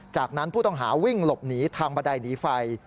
จากนั้นผู้ต้องหาวิ่งหลบหนีทางบันไดหนีไฟ